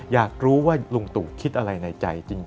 อยากรู้ว่าลุงตู่คิดอะไรในใจจริง